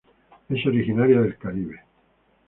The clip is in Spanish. Es originaria del Caribe.